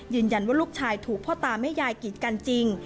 ยืนยันว่าลูกชายถูกพ่อตาแม่ยายกีดกันจริง